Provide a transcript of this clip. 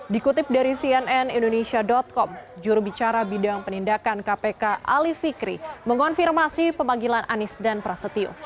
dikutip dari cnn indonesia com jurubicara bidang penindakan kpk ali fikri mengonfirmasi pemanggilan anies dan prasetyo